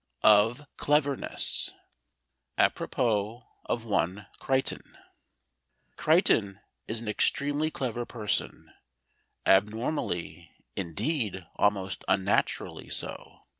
OF CLEVERNESS ÀPROPOS OF ONE CRICHTON Crichton is an extremely clever person abnormally, indeed almost unnaturally, so.